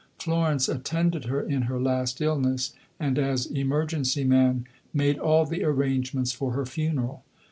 Florence attended her in her last illness, and as emergency man made all the arrangements for her funeral.